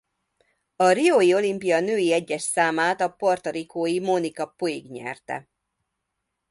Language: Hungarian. A riói olimpia női egyes számát a Puerto Ricó-i Mónica Puig nyerte.